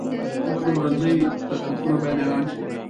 د پلورنځي تخفیفونه باید اعلان شي.